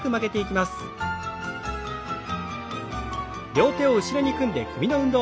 両手を後ろに組んで首の運動。